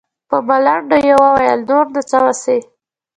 په ملنډو يې وويل نور نو څه وسي.